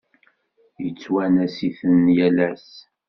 Yettwanas-iten yal ass.